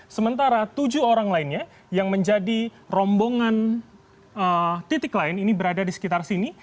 sementara tujuh orang lainnya yang menjadi rombongan titik lain ini berada di sekitar sini